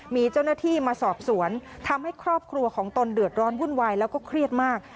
มีเจ้าหน้าที่มาสอบสวนทำให้ครอบครัวของตนเดือดร้อนวุ่นวายแล้วก็เครียดมาก